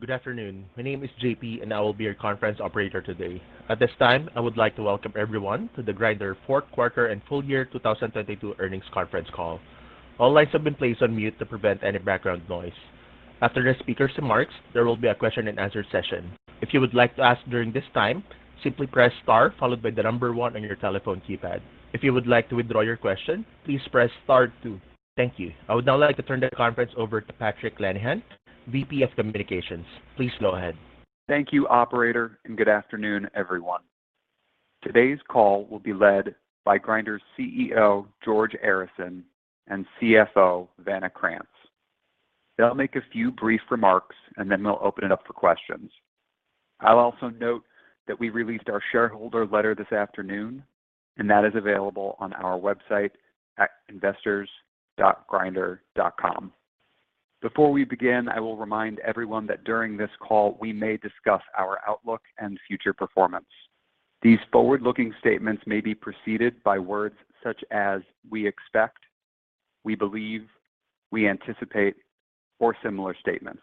Good afternoon. My name is JP, and I will be your conference operator today. At this time, I would like to welcome everyone to the Grindr fourth quarter and full year 2022 earnings conference call. All lines have been placed on mute to prevent any background noise. After the speakers' remarks, there will be a question and answer session. If you would like to ask during this time, simply press star followed by the number one on your telephone keypad. If you would like to withdraw your question, please press star two. Thank you. I would now like to turn the conference over to Patrick Lenihan, VP of Communications. Please go ahead. Thank you, operator, and good afternoon, everyone. Today's call will be led by Grindr's CEO, George Arison, and CFO, Vanna Krantz. They'll make a few brief remarks, and then we'll open it up for questions. I'll also note that we released our shareholder letter this afternoon, and that is available on our website at investors.grindr.com. Before we begin, I will remind everyone that during this call, we may discuss our outlook and future performance. These forward-looking statements may be preceded by words such as "we expect," "we believe," "we anticipate," or similar statements.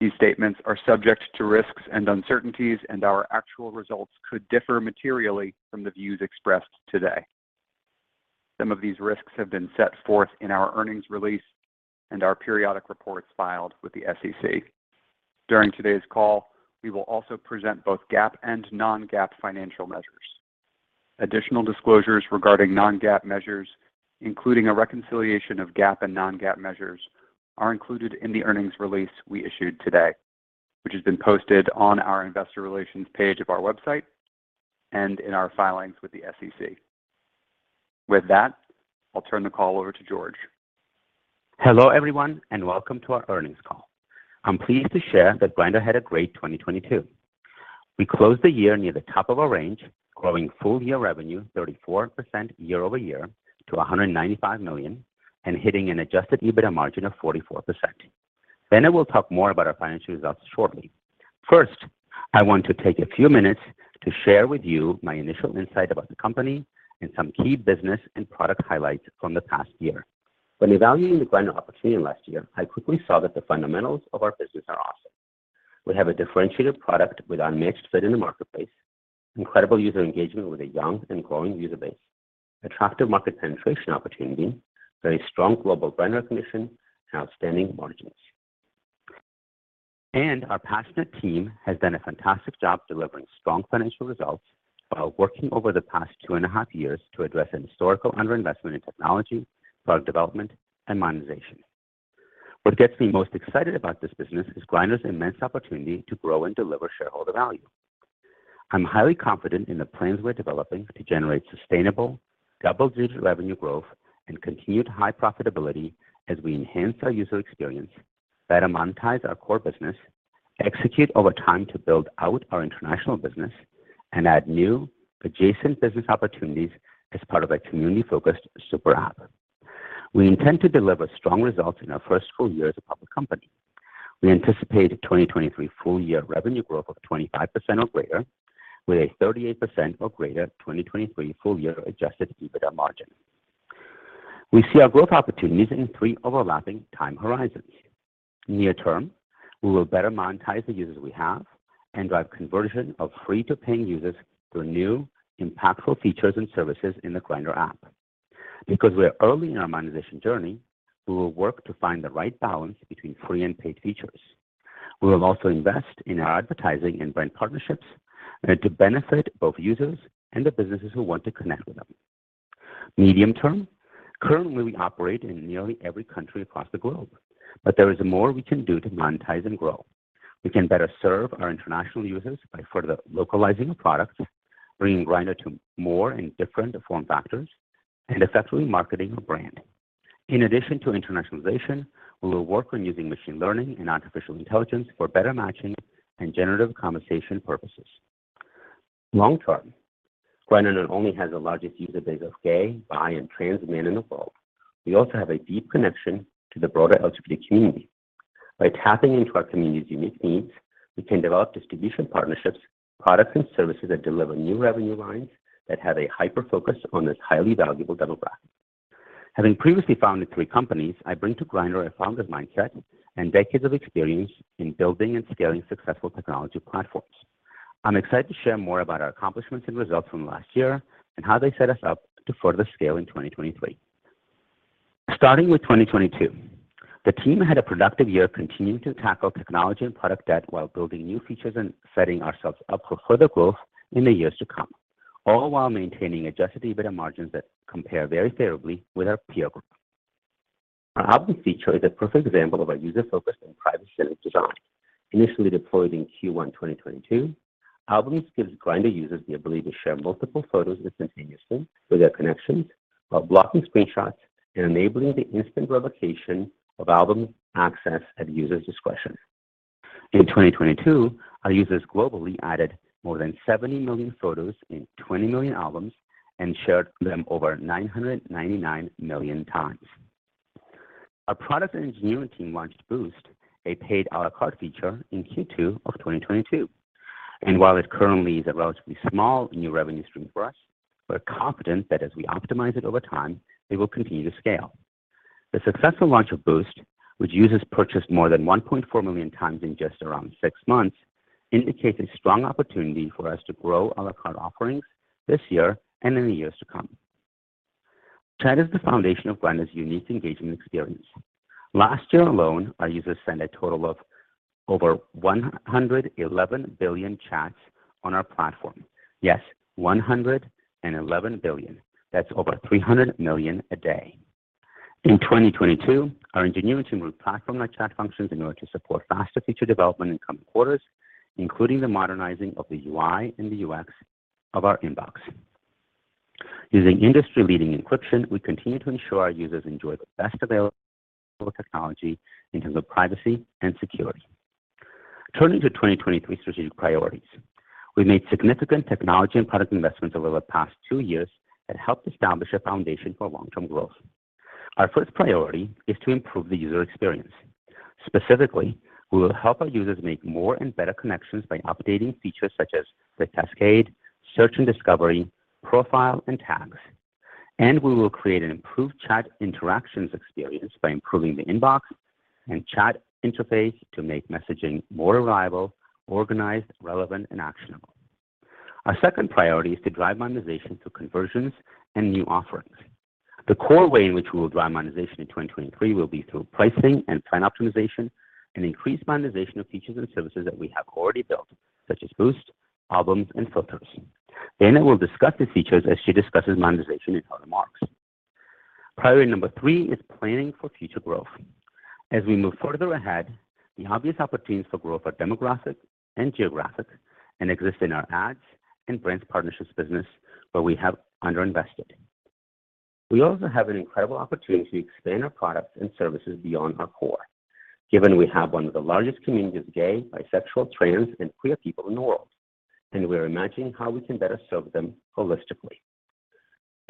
These statements are subject to risks and uncertainties, and our actual results could differ materially from the views expressed today. Some of these risks have been set forth in our earnings release and our periodic reports filed with the SEC. During today's call, we will also present both GAAP and non-GAAP financial measures. Additional disclosures regarding non-GAAP measures, including a reconciliation of GAAP and non-GAAP measures, are included in the earnings release we issued today, which has been posted on our investor relations page of our website and in our filings with the SEC. With that, I'll turn the call over to George. Hello, everyone, welcome to our earnings call. I'm pleased to share that Grindr had a great 2022. We closed the year near the top of our range, growing full-year revenue 34% year-over-year to $195 million and hitting an adjusted EBITDA margin of 44%. Vanna will talk more about our financial results shortly. First, I want to take a few minutes to share with you my initial insight about the company and some key business and product highlights from the past year. When evaluating the Grindr opportunity last year, I quickly saw that the fundamentals of our business are awesome. We have a differentiated product with unmatched fit in the marketplace, incredible user engagement with a young and growing user base, attractive market penetration opportunity, very strong global brand recognition, and outstanding margins. Our passionate team has done a fantastic job delivering strong financial results while working over the past 2.5 years to address a historical underinvestment in technology, product development, and monetization. What gets me most excited about this business is Grindr's immense opportunity to grow and deliver shareholder value. I'm highly confident in the plans we're developing to generate sustainable double-digit revenue growth and continued high profitability as we enhance our user experience, better monetize our core business, execute over time to build out our international business, and add new adjacent business opportunities as part of a community-focused super app. We intend to deliver strong results in our first full year as a public company. We anticipate a 2023 full year revenue growth of 25% or greater with a 38% or greater 2023 full year adjusted EBITDA margin. We see our growth opportunities in three overlapping time horizons. Near term, we will better monetize the users we have and drive conversion of free to paying users through new impactful features and services in the Grindr app. Because we are early in our monetization journey, we will work to find the right balance between free and paid features. We will also invest in our advertising and brand partnerships and to benefit both users and the businesses who want to connect with them. Medium-term, currently, we operate in nearly every country across the globe, but there is more we can do to monetize and grow. We can better serve our international users by further localizing the product, bringing Grindr to more and different form factors and effectively marketing our brand. In addition to internationalization, we will work on using machine learning and artificial intelligence for better matching and generative conversation purposes. Long term, Grindr not only has the largest user base of gay, bi, and trans men in the world, we also have a deep connection to the broader LGBT community. By tapping into our community's unique needs, we can develop distribution partnerships, products, and services that deliver new revenue lines that have a hyper-focus on this highly valuable demographic. Having previously founded three companies, I bring to Grindr a founder's mindset and decades of experience in building and scaling successful technology platforms. I'm excited to share more about our accomplishments and results from last year and how they set us up to further scale in 2023. Starting with 2022, the team had a productive year continuing to tackle technology and product debt while building new features and setting ourselves up for further growth in the years to come, all while maintaining adjusted EBITDA margins that compare very favorably with our peer group. Our Albums feature is a perfect example of our user-focused and privacy-centric design. Initially deployed in Q1 2022, Albums gives Grindr users the ability to share multiple photos instantaneously with their connections while blocking screenshots and enabling the instant revocation of album access at users' discretion. In 2022, our users globally added more than 70 million photos in 20 million albums and shared them over 999 million times. Our product and engineering team launched Boost, a paid à la carte feature in Q2 of 2022. While it currently is a relatively small new revenue stream for us, we're confident that as we optimize it over time, it will continue to scale. The successful launch of Boost, which users purchased more than 1.4 million times in just around six months, indicates a strong opportunity for us to grow à la carte offerings this year and in the years to come. Chat is the foundation of Grindr's unique engagement experience. Last year alone, our users sent a total of over 111 billion chats on our platform. Yes, 111 billion. That's over 300 million a day. In 2022, our engineering team will platform our Chat functions in order to support faster feature development in coming quarters, including the modernizing of the UI and the UX of our Inbox. Using industry-leading encryption, we continue to ensure our users enjoy the best available technology in terms of privacy and security. Turning to 2023 strategic priorities. We've made significant technology and product investments over the past two years that helped establish a foundation for long-term growth. Our first priority is to improve the user experience. Specifically, we will help our users make more and better connections by updating features such as the Cascade, Search and Discovery, Profile, and Tags. We will create an improved Chat interactions experience by improving the Inbox and Chat Interface to make messaging more reliable, organized, relevant, and actionable. Our second priority is to drive monetization through conversions and new offerings. The core way in which we will drive monetization in 2023 will be through pricing and plan optimization and increased monetization of features and services that we have already built, such as Boost, Albums, and Filters. Vanna will discuss these features as she discusses monetization in her remarks. Priority number three is planning for future growth. As we move further ahead, the obvious opportunities for growth are demographic and geographic and exist in our ads and brands partnerships business where we have under-invested. We also have an incredible opportunity to expand our products and services beyond our core. Given we have one of the largest communities of gay, bisexual, trans, and queer people in the world, and we are imagining how we can better serve them holistically.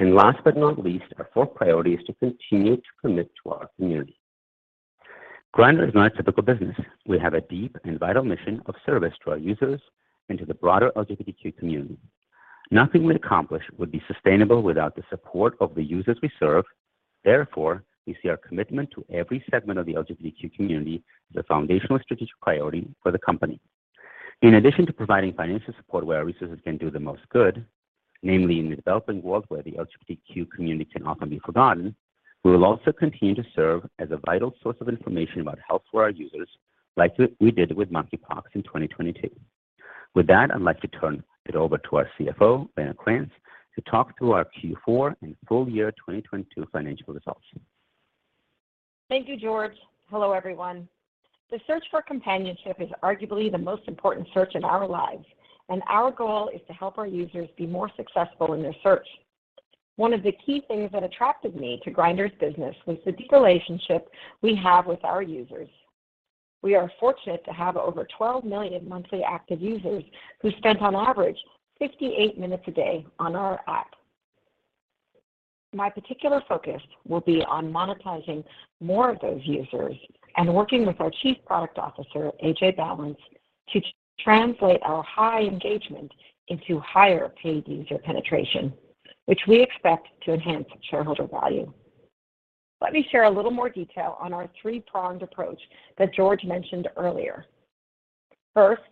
Last but not least, our fourth priority is to continue to commit to our community. Grindr is not a typical business. We have a deep and vital mission of service to our users and to the broader LGBTQ community. Nothing we accomplish would be sustainable without the support of the users we serve. We see our commitment to every segment of the LGBTQ community as a foundational strategic priority for the company. In addition to providing financial support where our resources can do the most good, namely in the developing world where the LGBTQ community can often be forgotten, we will also continue to serve as a vital source of information about health for our users, like we did with monkeypox in 2022. With that, I'd like to turn it over to our CFO, Vanna Krantz, to talk through our Q4 and full year 2022 financial results. Thank you, George. Hello, everyone. The search for companionship is arguably the most important search in our lives, and our goal is to help our users be more successful in their search. One of the key things that attracted me to Grindr's business was the deep relationship we have with our users. We are fortunate to have over 12 million monthly active users who spent on average 58 minutes a day on our app. My particular focus will be on monetizing more of those users and working with our Chief Product Officer, AJ Balance, to translate our high engagement into higher-paid user penetration, which we expect to enhance shareholder value. Let me share a little more detail on our three-pronged approach that George mentioned earlier. First,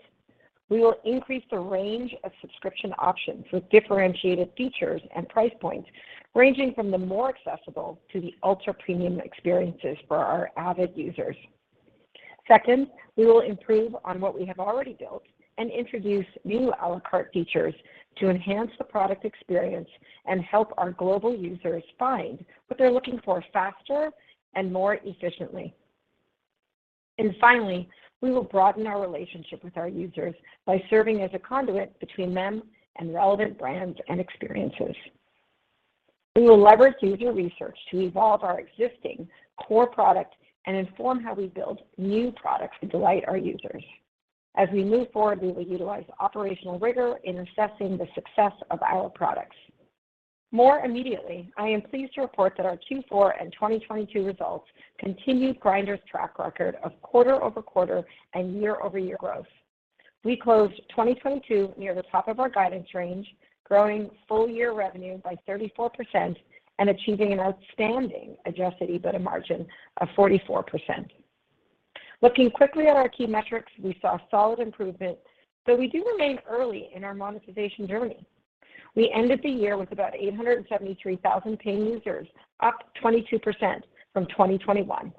we will increase the range of subscription options with differentiated features and price points ranging from the more accessible to the ultra-premium experiences for our avid users. Second, we will improve on what we have already built and introduce new à la carte features to enhance the product experience and help our global users find what they're looking for faster and more efficiently. Finally, we will broaden our relationship with our users by serving as a conduit between them and relevant brands and experiences. We will leverage user research to evolve our existing core product and inform how we build new products to delight our users. As we move forward, we will utilize operational rigor in assessing the success of our products. More immediately, I am pleased to report that our Q4 and 2022 results continue Grindr's track record of quarter-over-quarter and year-over-year growth. We closed 2022 near the top of our guidance range, growing full-year revenue by 34% and achieving an outstanding adjusted EBITDA margin of 44%. Looking quickly at our key metrics, we saw solid improvement, but we do remain early in our monetization journey. We ended the year with about 873,000 paying users, up 22% from 2021.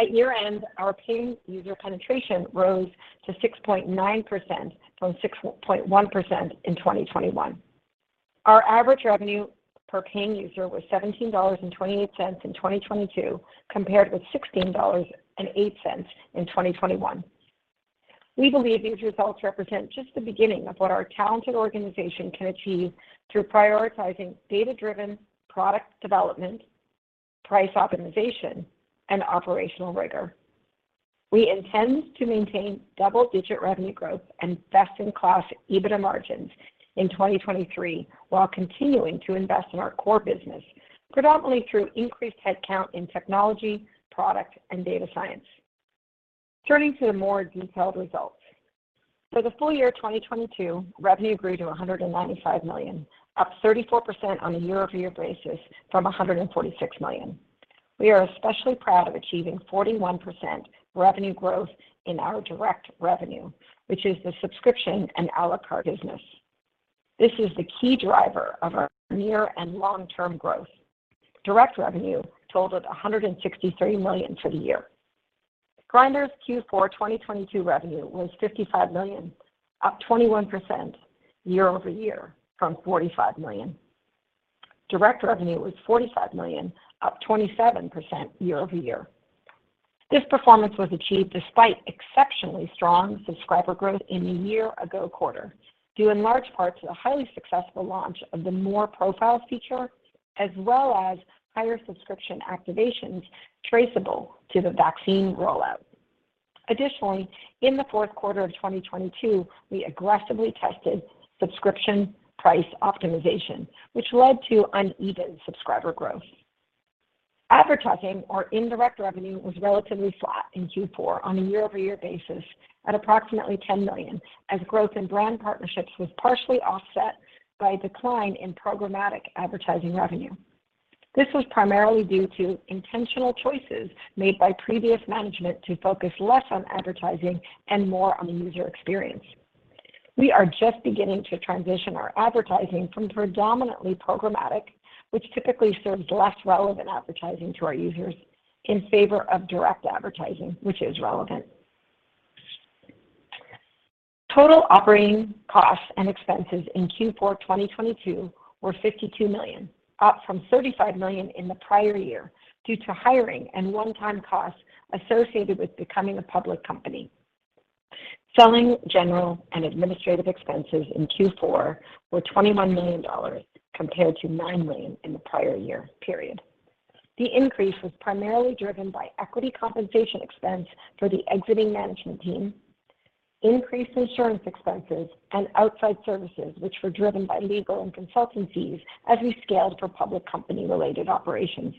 At year-end, our paying user penetration rose to 6.9% from 6.1% in 2021. Our average revenue per paying user was $17.28 in 2022, compared with $16.08 in 2021. We believe these results represent just the beginning of what our talented organization can achieve through prioritizing data-driven product development, price optimization, and operational rigor. We intend to maintain double-digit revenue growth and best-in-class EBITDA margins in 2023 while continuing to invest in our core business, predominantly through increased headcount in technology, product, and data science. Turning to the more detailed results. For the full year 2022, revenue grew to $195 million, up 34% on a year-over-year basis from $146 million. We are especially proud of achieving 41% revenue growth in our direct revenue, which is the subscription and à la carte business. This is the key driver of our near and long-term growth. Direct revenue totaled $163 million for the year. Grindr's Q4 2022 revenue was $55 million, up 21% year-over-year from $45 million. Direct revenue was $45 million, up 27% year-over-year. This performance was achieved despite exceptionally strong subscriber growth in the year-ago quarter, due in large part to the highly successful launch of the More Profiles feature, as well as higher subscription activations traceable to the vaccine rollout. In the fourth quarter of 2022, we aggressively tested subscription price optimization, which led to uneven subscriber growth. Advertising or indirect revenue was relatively flat in Q4 on a year-over-year basis at approximately $10 million as growth in brand partnerships was partially offset by a decline in programmatic advertising revenue. This was primarily due to intentional choices made by previous management to focus less on advertising and more on the user experience. We are just beginning to transition our advertising from predominantly programmatic, which typically serves less relevant advertising to our users in favor of direct advertising, which is relevant. Total operating costs and expenses in Q4 2022 were $52 million, up from $35 million in the prior year due to hiring and one-time costs associated with becoming a public company. Selling, general, and administrative expenses in Q4 were $21 million compared to $9 million in the prior year period. The increase was primarily driven by equity compensation expense for the exiting management team, increased insurance expenses, and outside services, which were driven by legal and consultancies as we scaled for public company-related operations.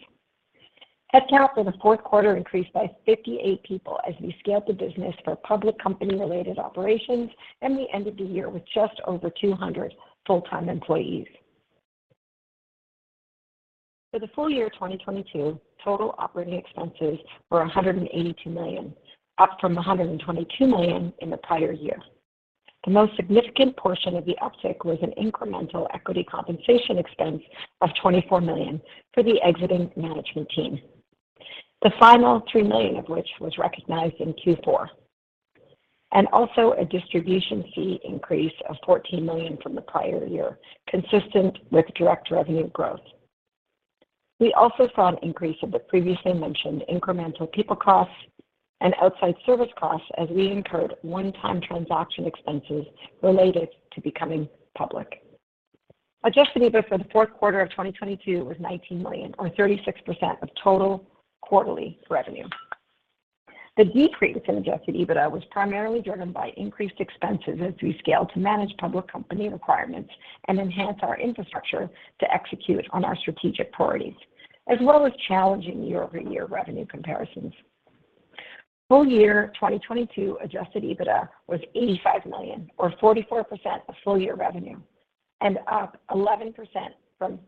Headcount for the fourth quarter increased by 58 people as we scaled the business for public company-related operations, and we ended the year with just over 200 full-time employees. For the full year 2022, total operating expenses were $182 million, up from $122 million in the prior year. The most significant portion of the uptick was an incremental equity compensation expense of $24 million for the exiting management team. The final $3 million of which was recognized in Q4. Also a distribution fee increase of $14 million from the prior year, consistent with direct revenue growth. We also saw an increase in the previously mentioned incremental people costs and outside service costs as we incurred one-time transaction expenses related to becoming public. Adjusted EBITDA for the fourth quarter of 2022 was $19 million or 36% of total quarterly revenue. The decrease in adjusted EBITDA was primarily driven by increased expenses as we scaled to manage public company requirements and enhance our infrastructure to execute on our strategic priorities, as well as challenging year-over-year revenue comparisons. Full year 2022 adjusted EBITDA was $85 million or 44% of full year revenue and up 11% from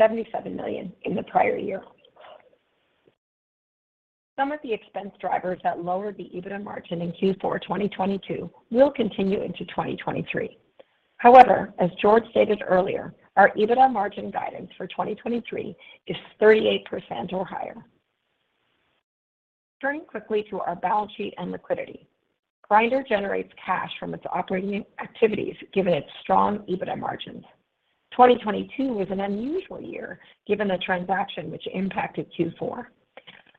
$77 million in the prior year. Some of the expense drivers that lowered the EBITDA margin in Q4 2022 will continue into 2023. However, as George stated earlier, our EBITDA margin guidance for 2023 is 38% or higher. Turning quickly to our balance sheet and liquidity. Grindr generates cash from its operating activities given its strong EBITDA margins. 2022 was an unusual year given the transaction which impacted Q4.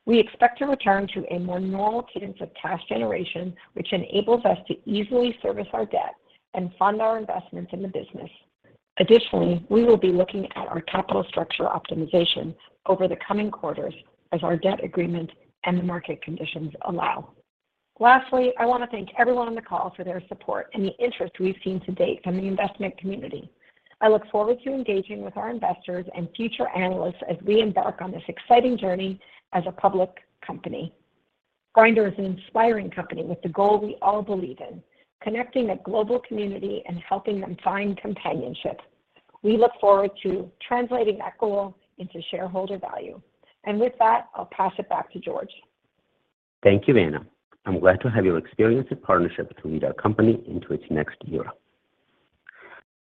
We expect to return to a more normal cadence of cash generation, which enables us to easily service our debt and fund our investments in the business. Additionally, we will be looking at our capital structure optimization over the coming quarters as our debt agreement and the market conditions allow. Lastly, I wanna thank everyone on the call for their support and the interest we've seen to date from the investment community. I look forward to engaging with our investors and future analysts as we embark on this exciting journey as a public company. Grindr is an inspiring company with the goal we all believe in, connecting a global community and helping them find companionship. We look forward to translating that goal into shareholder value. With that, I'll pass it back to George. Thank you, Vanna. I'm glad to have your experience and partnership to lead our company into its next era.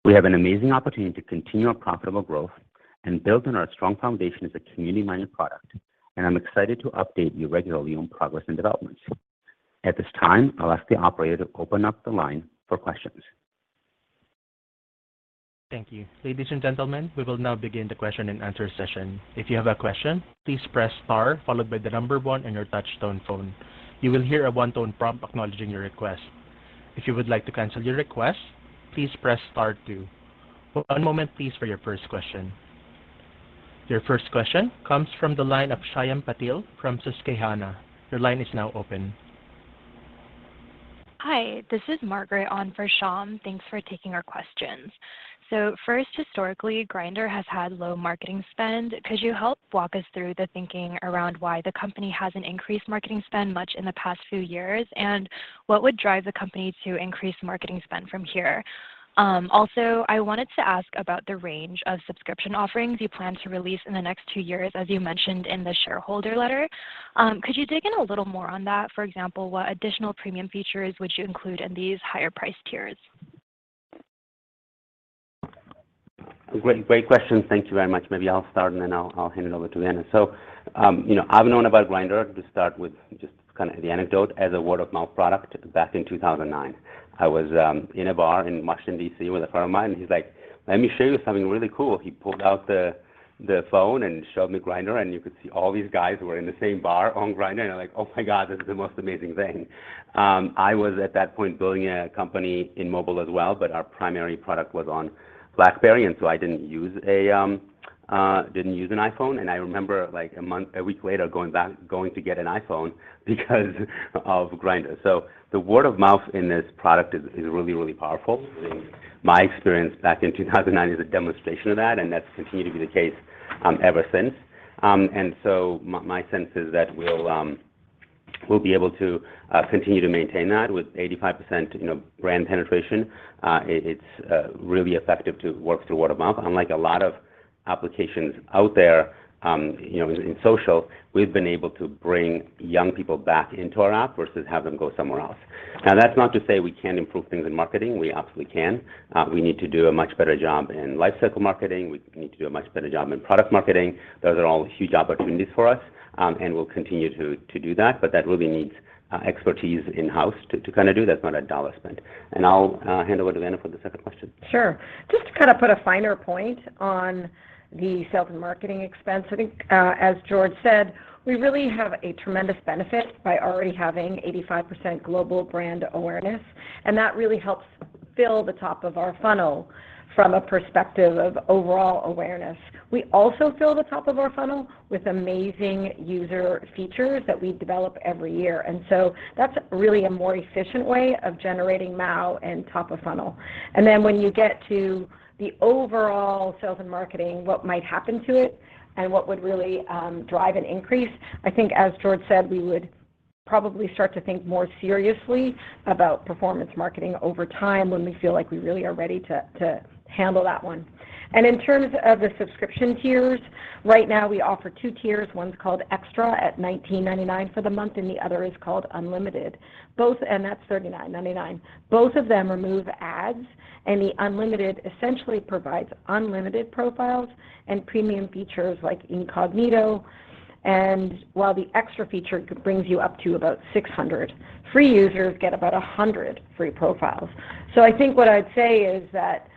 We have an amazing opportunity to continue our profitable growth and build on our strong foundation as a community-minded product, and I'm excited to update you regularly on progress and developments. At this time, I'll ask the operator to open up the line for questions. Thank you. Ladies and gentlemen, we will now begin the question and answer session. If you have a question, please press star followed by the 1 on your touch tone phone. You will hear a one-tone prompt acknowledging your request. If you would like to cancel your request, please press star two. One moment please for your first question. Your first question comes from the line of Shyam Patil from Susquehanna. Your line is now open. Hi, this is Margaret on for Shyam. Thanks for taking our questions. First, historically, Grindr has had low marketing spend. Could you help walk us through the thinking around why the company hasn't increased marketing spend much in the past few years? What would drive the company to increase marketing spend from here? Also, I wanted to ask about the range of subscription offerings you plan to release in the next two years, as you mentioned in the shareholder letter. Could you dig in a little more on that? For example, what additional premium features would you include in these higher price tiers? Great, great question. Thank you very much. Maybe I'll start and then I'll hand it over to Vanna. You know, I've known about Grindr to start with just kinda the anecdote as a word-of-mouth product back in 2009. I was in a bar in Washington, D.C., with a friend of mine, and he's like, "Let me show you something really cool." He pulled out the phone and showed me Grindr, and you could see all these guys who were in the same bar on Grindr, and I'm like, "Oh, my God, this is the most amazing thing." I was at that point building a company in mobile as well, but our primary product was on BlackBerry, and so I didn't use an iPhone. I remember like a month, a week later going back, going to get an iPhone because of Grindr. The word of mouth in this product is really, really powerful. My experience back in 2009 is a demonstration of that, and that's continued to be the case, ever since. My sense is that we'll be able to continue to maintain that with 85%, you know, brand penetration. It's really effective to work through word of mouth. Unlike a lot of applications out there, you know, in social, we've been able to bring young people back into our app versus have them go somewhere else. That's not to say we can't improve things in marketing. We absolutely can. We need to do a much better job in lifecycle marketing. We need to do a much better job in product marketing. Those are all huge opportunities for us, and we'll continue to do that. But that really needs expertise in-house to kinda do. That's not a dollar spend. I'll hand over to Vanna for the second question. Sure. Just to kinda put a finer point on the sales and marketing expense, I think, as George said, we really have a tremendous benefit by already having 85% global brand awareness, and that really helps fill the top of our funnel from a perspective of overall awareness. We also fill the top of our funnel with amazing user features that we develop every year. That's really a more efficient way of generating MAU and top-of-funnel. When you get to the overall sales and marketing, what might happen to it and what would really drive an increase, I think, as George said, we would probably start to think more seriously about performance marketing over time when we feel like we really are ready to handle that one. In terms of the subscription tiers, right now we offer two tiers. One's called XTRA at $19.99 for the month. The other is called Unlimited. That's $39.99. Both of them remove ads. The Unlimited essentially provides unlimited profiles and premium features like Incognito, while the XTRA feature brings you up to about 600. Free users get about 100 free profiles. I think what I'd say is that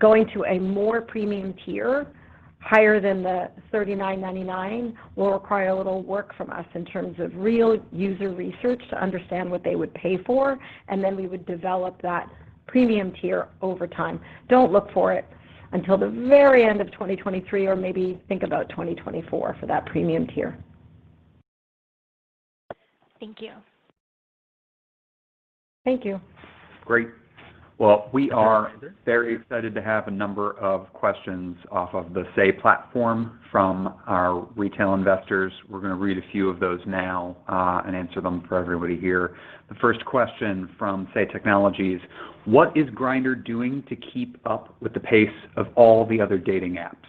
going to a more premium tier higher than the $39.99 will require a little work from us in terms of real user research to understand what they would pay for. Then we would develop that premium tier over time. Don't look for it until the very end of 2023 or maybe think about 2024 for that premium tier. Thank you. Thank you. Great. Well, we are very excited to have a number of questions off of the Say platform from our retail investors. We're gonna read a few of those now, and answer them for everybody here. The first question from Say Technologies: What is Grindr doing to keep up with the pace of all the other dating apps?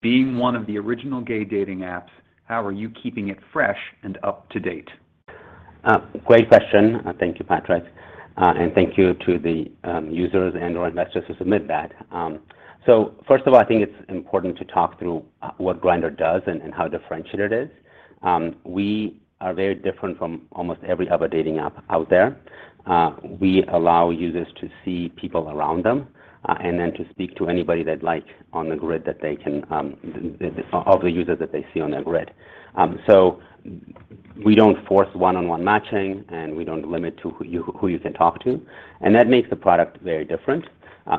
Being one of the original gay dating apps, how are you keeping it fresh and up to date? Great question. Thank you, Patrick. And thank you to the users and/or investors who submit that. First of all, I think it's important to talk through what Grindr does and how differentiated it is. We are very different from almost every other dating app out there. We allow users to see people around them and then to speak to anybody they'd like on the grid that they can of the users that they see on the grid. We don't force one-on-one matching, and we don't limit to who you can talk to, and that makes the product very different.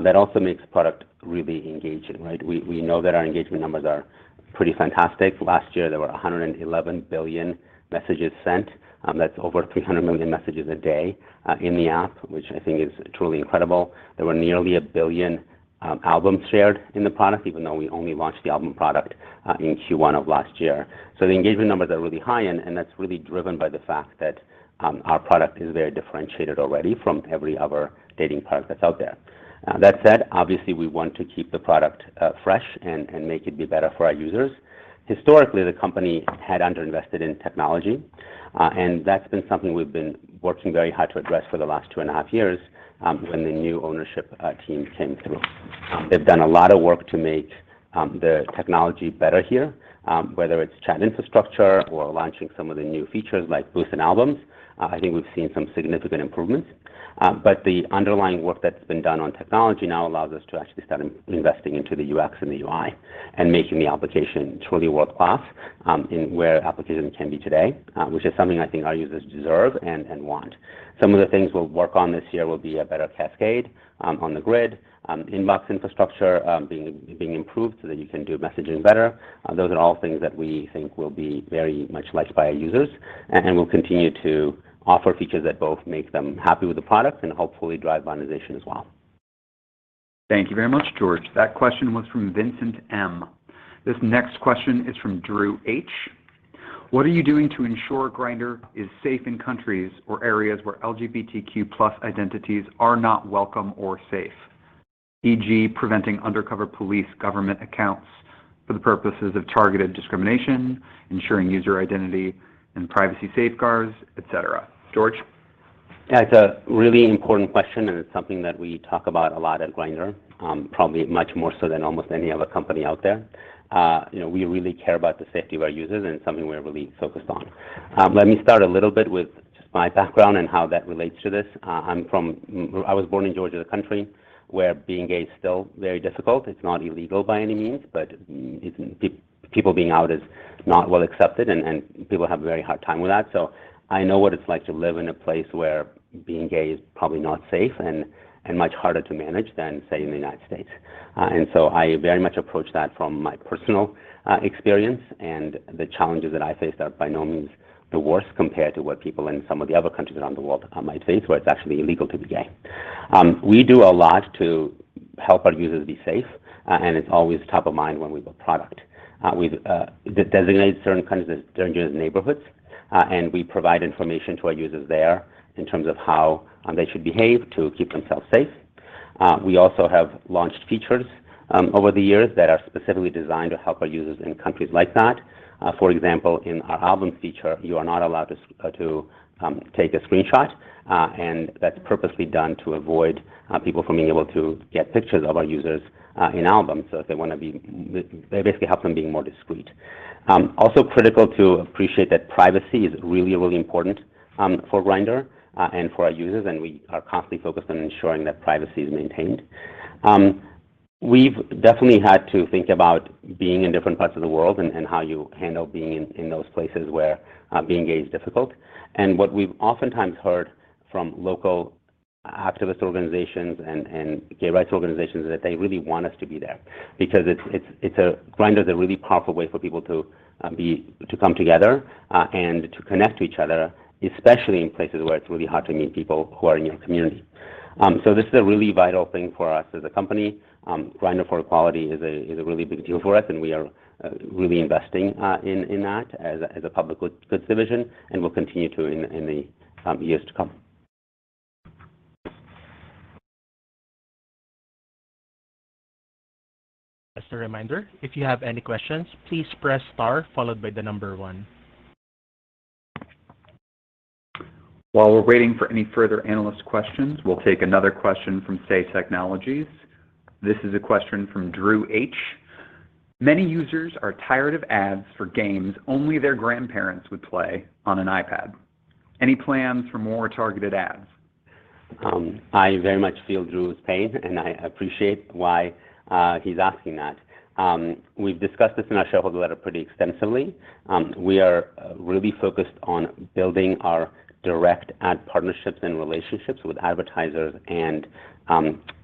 That also makes the product really engaging, right? We know that our engagement numbers are pretty fantastic. Last year, there were 111 billion messages sent. That's over 300 million messages a day in the app, which I think is truly incredible. There were nearly a billion Albums shared in the product, even though we only launched the Album product in Q1 of last year. The engagement numbers are really high and that's really driven by the fact that our product is very differentiated already from every other dating product that's out there. That said, obviously, we want to keep the product fresh and make it be better for our users. Historically, the company had underinvested in technology, and that's been something we've been working very hard to address for the last 2.5 years when the new ownership team came through. They've done a lot of work to make the technology better here, whether it's Chat infrastructure or launching some of the new features like Boost and Albums. I think we've seen some significant improvements. But the underlying work that's been done on technology now allows us to actually start investing into the UX and the UI and making the application truly world-class, in where applications can be today, which is something I think our users deserve and want. Some of the things we'll work on this year will be a better Cascade on the grid, Inbox infrastructure being improved so that you can do messaging better. Those are all things that we think will be very much liked by our users and we'll continue to offer features that both make them happy with the product and hopefully drive monetization as well. Thank you very much, George. That question was from Vincent M. This next question is from Drew H. What are you doing to ensure Grindr is safe in countries or areas where LGBTQ plus identities are not welcome or safe? E.g., preventing undercover police government accounts for the purposes of targeted discrimination, ensuring user identity and privacy safeguards, et cetera. George? It's a really important question, and it's something that we talk about a lot at Grindr, probably much more so than almost any other company out there. You know, we really care about the safety of our users, and it's something we're really focused on. Let me start a little bit with just my background and how that relates to this. I was born in Georgia, the country where being gay is still very difficult. It's not illegal by any means, but people being out is not well accepted and people have a very hard time with that. I know what it's like to live in a place where being gay is probably not safe and much harder to manage than, say, in the United States. I very much approach that from my personal experience and the challenges that I face are by no means the worst compared to what people in some of the other countries around the world might face, where it's actually illegal to be gay. We do a lot to help our users be safe, and it's always top of mind when we build product. We've designated certain countries as dangerous neighborhoods, and we provide information to our users there in terms of how they should behave to keep themselves safe. We also have launched features over the years that are specifically designed to help our users in countries like that. For example, in our Albums feature, you are not allowed to take a screenshot, and that's purposely done to avoid people from being able to get pictures of our users in Albums. If they basically help them being more discreet. Also critical to appreciate that privacy is really, really important for Grindr and for our users, and we are constantly focused on ensuring that privacy is maintained. We've definitely had to think about being in different parts of the world and how you handle being in those places where being gay is difficult. What we've oftentimes heard from local activist organizations and gay rights organizations is that they really want us to be there because Grindr is a really powerful way for people to come together and to connect to each other, especially in places where it's really hard to meet people who are in your community. This is a really vital thing for us as a company. Grindr for Equality is a really big deal for us, and we are really investing in that as a public goods division and will continue to in the years to come. Just a reminder, if you have any questions, please press star followed by the number one. While we're waiting for any further analyst questions, we'll take another question from Say Technologies. This is a question from Drew H. Many users are tired of ads for games only their grandparents would play on an iPad. Any plans for more targeted ads? I very much feel Drew's pain, and I appreciate why he's asking that. We've discussed this in our shareholder letter pretty extensively. We are really focused on building our direct ad partnerships and relationships with advertisers and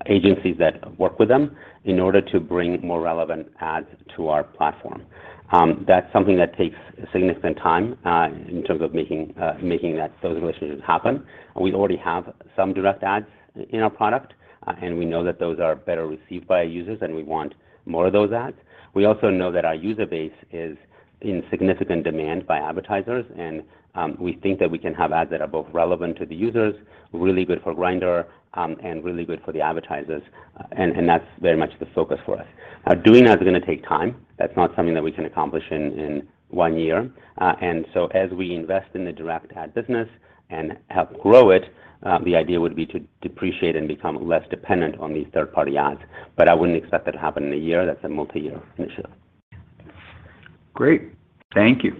agencies that work with them in order to bring more relevant ads to our platform. That's something that takes significant time in terms of making those relationships happen. We already have some direct ads in our product, and we know that those are better received by our users, and we want more of those ads. We also know that our user base is in significant demand by advertisers, and we think that we can have ads that are both relevant to the users, really good for Grindr, and really good for the advertisers. That's very much the focus for us. Doing that is going to take time. That's not something that we can accomplish in one year. As we invest in the direct ad business and help grow it, the idea would be to depreciate and become less dependent on these third-party ads. I wouldn't expect that to happen in a year. That's a multi-year initiative. Great. Thank you.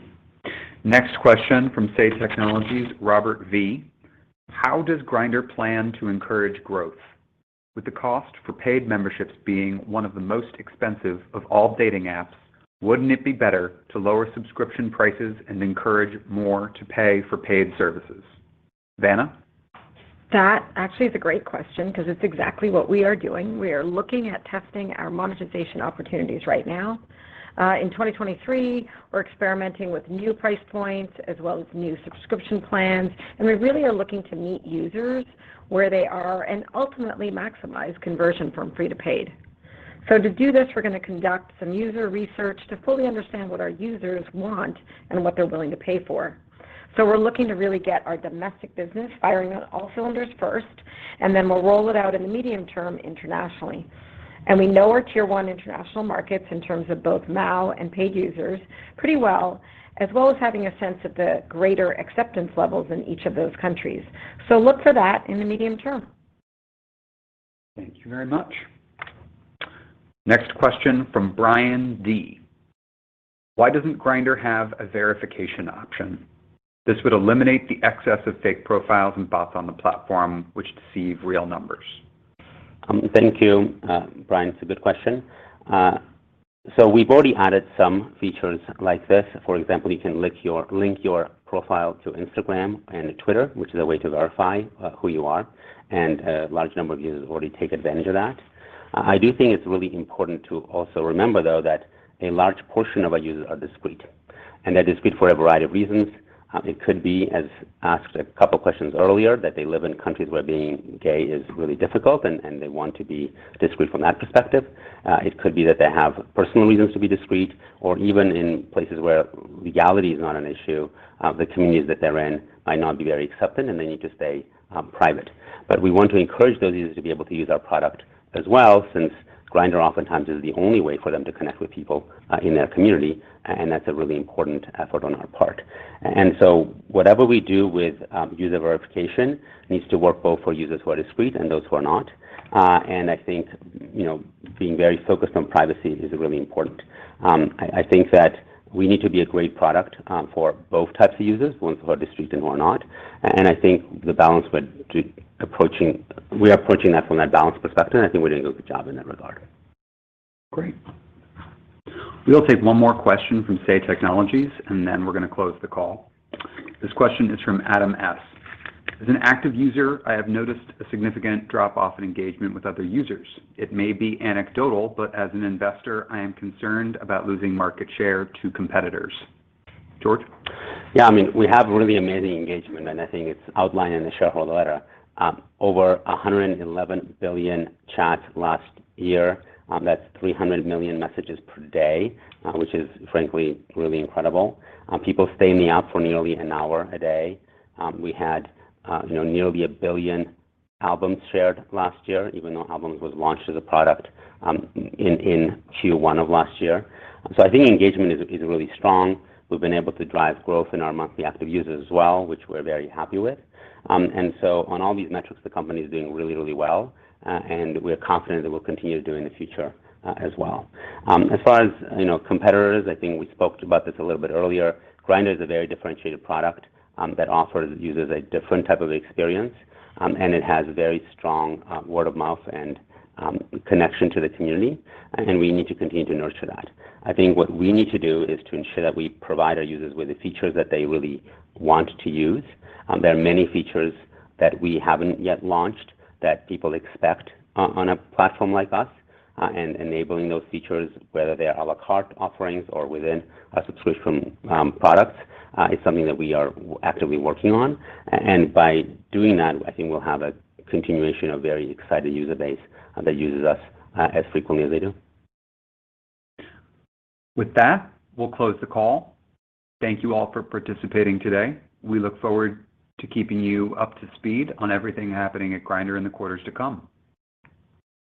Next question from Say Technologies, Robert V. How does Grindr plan to encourage growth? With the cost for paid memberships being one of the most expensive of all dating apps, wouldn't it be better to lower subscription prices and encourage more to pay for paid services? Vanna? That actually is a great question 'cause it's exactly what we are doing. We are looking at testing our monetization opportunities right now. In 2023, we're experimenting with new price points as well as new subscription plans, and we really are looking to meet users where they are and ultimately maximize conversion from free to paid. To do this, we're gonna conduct some user research to fully understand what our users want and what they're willing to pay for. We're looking to really get our domestic business firing on all cylinders first, and then we'll roll it out in the medium term internationally. We know our tier one international markets in terms of both MAU and paid users pretty well, as well as having a sense of the greater acceptance levels in each of those countries. Look for that in the medium term. Thank you very much. Next question from Brian D. Why doesn't Grindr have a verification option? This would eliminate the excess of fake profiles and bots on the platform, which deceive real numbers. Thank you, Brian. It's a good question. We've already added some features like this. For example, you can link your profile to Instagram and Twitter, which is a way to verify who you are, and a large number of users already take advantage of that. I do think it's really important to also remember, though, that a large portion of our users are discreet. They're discreet for a variety of reasons. It could be, as asked a couple questions earlier, that they live in countries where being gay is really difficult and they want to be discreet from that perspective. It could be that they have personal reasons to be discreet, or even in places where legality is not an issue, the communities that they're in might not be very accepting and they need to stay private. We want to encourage those users to be able to use our product as well, since Grindr oftentimes is the only way for them to connect with people in their community, and that's a really important effort on our part. Whatever we do with user verification needs to work both for users who are discreet and those who are not. I think, you know, being very focused on privacy is really important. I think that we need to be a great product for both types of users, ones who are discreet and who are not. I think we are approaching that from a balance perspective, and I think we're doing a good job in that regard. Great. We'll take one more question from Say Technologies, and then we're gonna close the call. This question is from Adam S. "As an active user, I have noticed a significant drop-off in engagement with other users. It may be anecdotal, but as an investor, I am concerned about losing market share to competitors." George? I mean, we have really amazing engagement, and I think it's outlined in the shareholder letter. Over 111 billion chats last year, that's 300 million messages per day, which is frankly really incredible. People stay in the app for nearly an hour a day. We had, you know, nearly a billion Albums shared last year, even though Albums was launched as a product in Q1 of last year. I think engagement is really strong. We've been able to drive growth in our monthly active users as well, which we're very happy with. On all these metrics, the company is doing really, really well, and we're confident that we'll continue to do in the future, as well. As far as, you know, competitors, I think we spoke about this a little bit earlier. Grindr is a very differentiated product that offers users a different type of experience, and it has very strong word of mouth and connection to the community, and we need to continue to nurture that. I think what we need to do is to ensure that we provide our users with the features that they really want to use. There are many features that we haven't yet launched that people expect on a platform like us, and enabling those features, whether they are à la carte offerings or within a subscription product, is something that we are actively working on. By doing that, I think we'll have a continuation of very excited user base that uses us as frequently as they do. With that, we'll close the call. Thank you all for participating today. We look forward to keeping you up to speed on everything happening at Grindr in the quarters to come.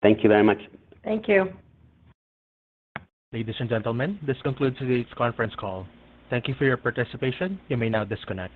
Thank you very much. Thank you. Ladies and gentlemen, this concludes today's conference call. Thank you for your participation. You may now disconnect.